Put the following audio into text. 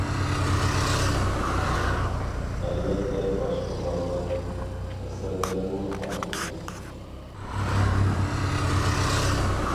ئەلۋەتتە باشقا بالىلار ئەسەرلىرىمۇ ھەم مۇھىم.